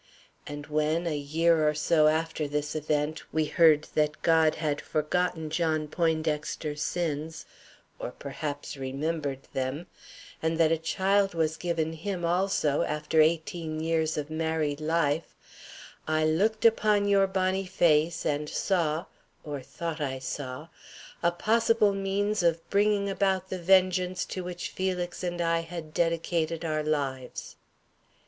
And when, a year or so after this event, we heard that God had forgotten John Poindexter's sins, or, perhaps, remembered them, and that a child was given him also, after eighteen years of married life, I looked upon your bonny face and saw or thought I saw a possible means of bringing about the vengeance to which Felix and I had dedicated our lives.